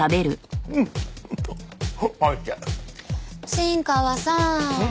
新川さん